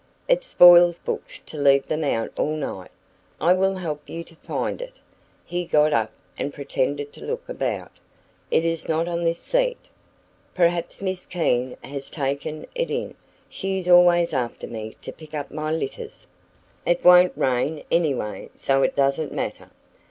"It spoils books to leave them out all night. I will help you to find it." He got up, and pretended to look about. "It is not on this seat " "Perhaps Miss Keene has taken it in. She is always after me to pick up my litters. It won't rain, anyway, so it doesn't matter."